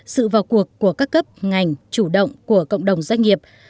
sự vào cuộc của các cấp ngành chủ động của cộng đồng doanh nghiệp